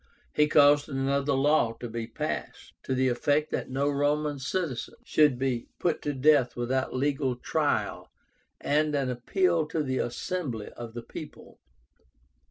He caused another law to be passed, to the effect that no Roman citizen should be put to death without legal trial and an appeal to the assembly of the people.